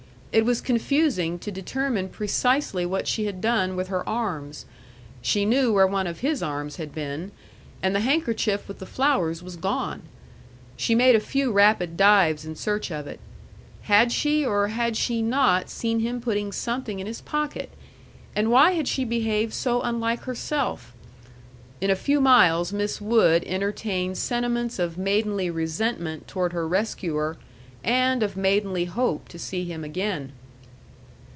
It was confusing to determine precisely what she had done with her arms. She knew where one of his arms had been. And the handkerchief with the flowers was gone. She made a few rapid dives in search of it. Had she, or had she not, seen him putting something in his pocket? And why had she behaved so unlike herself? In a few miles Miss Wood entertained sentiments of maidenly resentment toward her rescuer, and of maidenly hope to see him again.